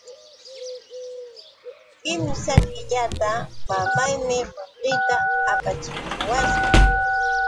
Kimsa killanta mamaanii qullqita apachimuwarqa.